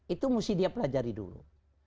itu mesti dia pelajari dulu